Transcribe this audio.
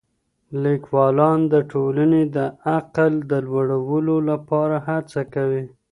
ليکوالان د ټولني د عقل د لوړولو لپاره هڅه کوي.